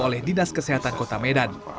oleh dinas kesehatan kota medan